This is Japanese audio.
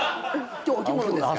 今日お着物ですから。